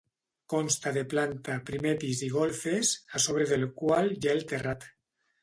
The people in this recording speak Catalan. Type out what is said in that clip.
Consta de planta, primer pis i golfes, a sobre del qual hi ha el terrat.